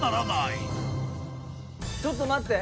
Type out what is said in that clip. ちょっと待って。